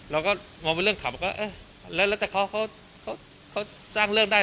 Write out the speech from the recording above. เราก็มอบเป็นเรื่องขำแล้วก็เอ๊ะแล้วแล้วแต่เขาเขาเขาเขาสร้างเรื่องได้